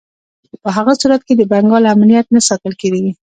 په هغه صورت کې د بنګال امنیت نه ساتل کېدی.